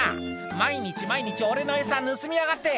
「毎日毎日俺の餌盗みやがって」